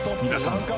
［皆さん。